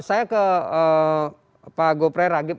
saya ke pak gopre ragib